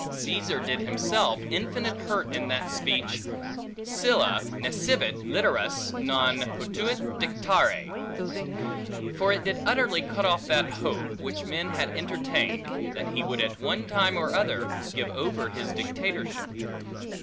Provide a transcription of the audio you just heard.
Caesar did himself infinite hurt in that speech, Sylla nescivit literas, non potuit dictare; for it did utterly cut off that hope, which men had entertained, that he would at one time or other give over his dictatorship.